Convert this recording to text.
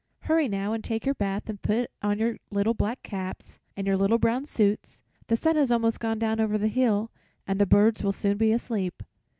"Hurry, now, and take your bath and put on your little black caps and your little brown suits. The sun has almost gone down over the hill and the birds will soon be asleep."